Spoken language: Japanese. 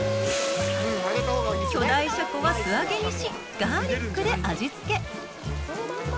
巨大シャコは素揚げにし、ガーリックで味付け。